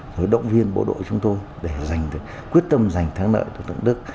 rồi động viên bộ đội chúng tôi để quyết tâm giành thắng lợi cho thượng đức